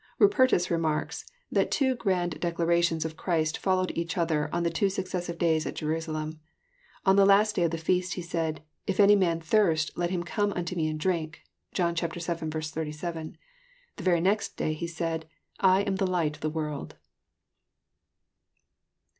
Rupertus remarks, that two grand declarations of Christ fol lowed each other on two successive days at Jerusalem. On the last day of the feast He said, — <'If any man thirst let him come unto Me and drink." (John vli. 87.) The very next day He said,—" I am the light of the world."